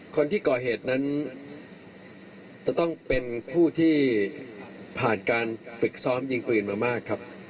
คนที่ก่อเหตุนั้นจะต้องเป็นผู้ที่ผ่านการฝึกซ้อมยิงปืนมามากครับ